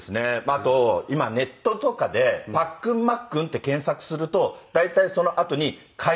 あと今ネットとかでパックンマックンって検索すると大体そのあとに解散とか。